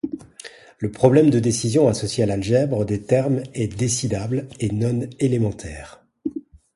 Le problème de décision associé à l'algèbre des termes est décidable et non élémentaire.